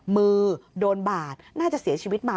มือโดนบาดน่าจะเสียชีวิตมา